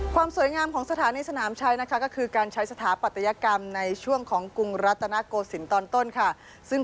ความสวยงามของสถานีสนามชัยนะคะก็คือการใช้สถาปัตยกรรมในช่วงของกรุงรัตนโกศิลป์ตอนต้นค่ะ